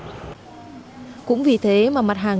cũng vì thế mà mặt hàng nông sản phẩm này đã được tạo ra